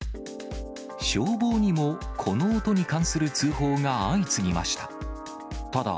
消防にもこの音に関する通報が相次ぎました。